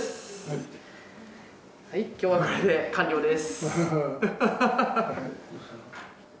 今日はこれで完了です。